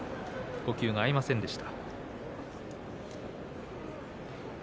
呼吸が合いませんでした。